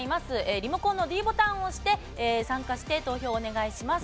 リモコンのｄボタンを押して参加して投票をお願いします。